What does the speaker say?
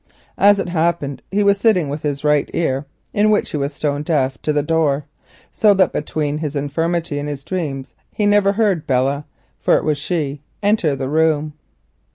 As it happened, he sat with his right ear, in which he was deaf, towards the door, so that between his infirmity and his dreams he never heard Belle—for it was she—enter the room.